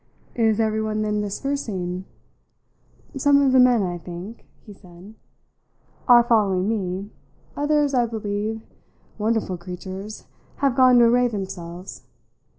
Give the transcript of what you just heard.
"Is everyone then dispersing?" "Some of the men, I think," he said, "are following me; others, I believe wonderful creatures! have gone to array themselves.